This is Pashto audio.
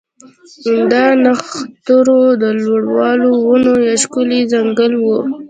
دا د نښترو د لوړو ونو یو ښکلی ځنګل و